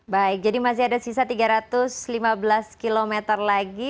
baik jadi masih ada sisa tiga ratus lima belas km lagi